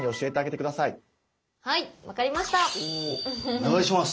お願いします。